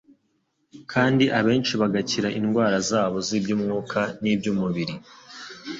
kandi abenshi bagakira indwara zabo z'iby'umwuka n'iby'umubiri.